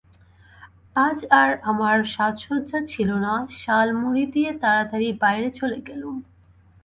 আজ আর আমার সাজসজ্জা ছিল না, শাল মুড়ি দিয়ে তাড়াতাড়ি বাইরে চলে গেলুম।